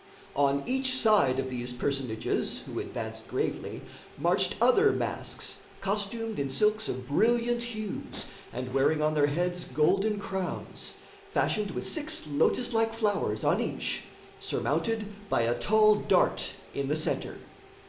On each side of these personages, who advanced gravely, marched other masks, costumed in silks of brilliant hues and wearing on their heads golden crowns, fashioned with six lotus like flowers on each, surmounted by a tall dart in the centre.